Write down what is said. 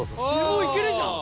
もういけるじゃん。